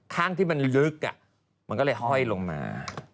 ข้างที่มันลึกมันก็เลยห้อยลงมา